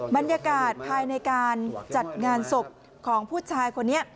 บรรยากาศภายในการจัดงานศพของผู้ชายคนนี้